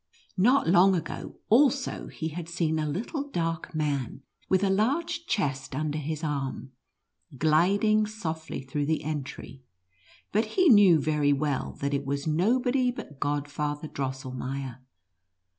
Kot long ago also he had seen a little dark man, with a large chest under his arm, gliding softly through the entry, but he knew very well that it was nobody but Godfather Drosselmeier.